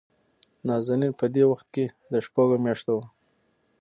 نازنين په دې وخت کې دشپږو مياشتو وه.